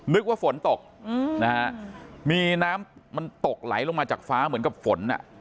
นึกว่าฝนตกนะฮะมีน้ำมันตกไหลลงมาจากฟ้าเหมือนกับฝนอ่ะ